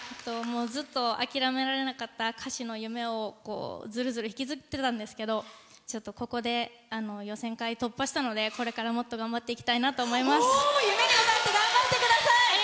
ずっと諦められなかった歌手の夢をずるずる引きずってたんですけどちょっと、ここで予選会、突破したのでこれから、もっと頑張っていきたいなと思います。